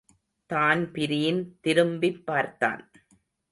Dan Breen திரும்பிப் பார்த்தான்.